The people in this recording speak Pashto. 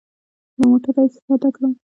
له موټره يې کښته کړم.